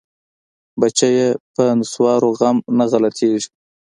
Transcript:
بچيه په نسوارو غم نه غلطيګي.